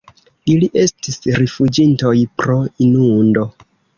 Ili estis rifuĝintoj pro inundo.